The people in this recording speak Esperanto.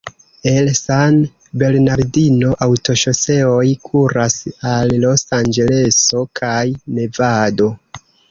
El San Bernardino aŭtoŝoseoj kuras al Los-Anĝeleso kaj Nevado.